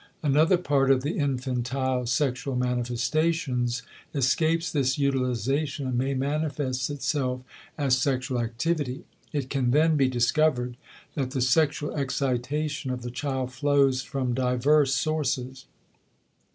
Another part of the infantile sexual manifestations escapes this utilization and may manifest itself as sexual activity. It can then be discovered that the sexual excitation of the child flows from diverse sources.